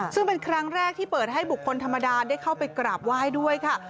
ซึ่งเป็นครั้งแรกที่เปิดให้บุคคลธรรมดาได้เข้าไปกราบไหว้ด้วยค่ะ